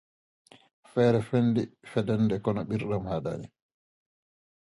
A gift economy is encouraged, while commercial activity is generally prohibited.